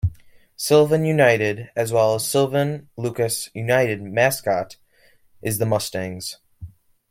Sylvan Unified as well as Sylvan-Lucas Unified mascot is the Mustangs.